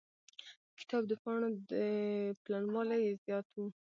کتاب د پاڼو پلنوالی يې زيات و.